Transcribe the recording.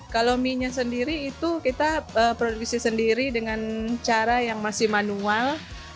kalau mie nya sendiri itu kita produksi sendiri dengan cara yang masih manual